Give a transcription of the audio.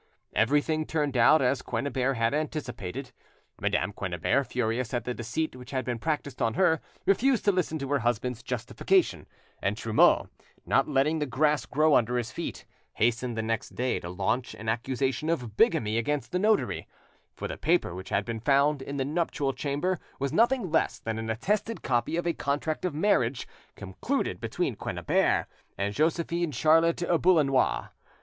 Everything turned out as Quennebert had anticipated. Madame Quennebert, furious at the deceit which had been practised on her, refused to listen to her husband's justification, and Trumeau, not letting the grass grow under his feet, hastened the next day to launch an accusation of bigamy against the notary; for the paper which had been found in the nuptial camber was nothing less than an attested copy of a contract of marriage concluded between Quennebert and Josephine Charlotte Boullenois.